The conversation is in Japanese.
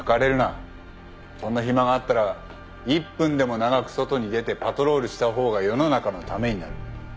そんな暇があったら１分でも長く外に出てパトロールした方が世の中のためになる。